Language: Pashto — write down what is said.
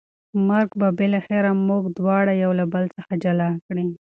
مرګ به بالاخره موږ دواړه له یو بل څخه جلا کړي.